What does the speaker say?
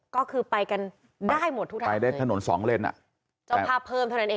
ก็คือไปกันได้หมดทุกทางเลยจะพาเพิ่มเท่านั้นเอง